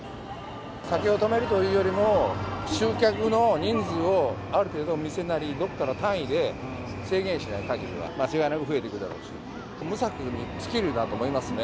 酒を止めるというよりも、集客の人数をある程度、お店なり、どこかの単位で制限しないかぎりは、間違いない増えてくだろうし、無策に尽きるなと思いますね。